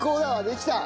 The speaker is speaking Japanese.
できた！